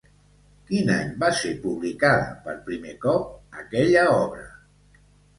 Quin any va ser publicada per primer cop aquella obra?